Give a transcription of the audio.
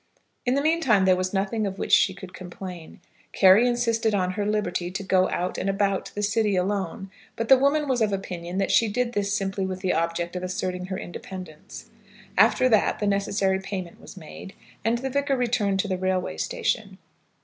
In the meantime there was nothing of which she could complain. Carry insisted on her liberty to go out and about the city alone; but the woman was of opinion that she did this simply with the object of asserting her independence. After that the necessary payment was made, and the Vicar returned to the Railway Station.